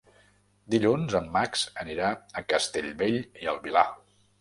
Dilluns en Max anirà a Castellbell i el Vilar.